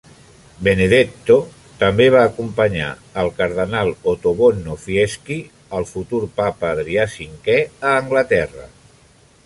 Benedetto també va acompanyar el cardenal Ottobono Fieschi, el futur papa Adrià V, a Anglaterra.